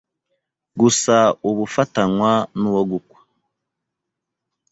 gusa ubu ufatanywa n’uwo gukwa.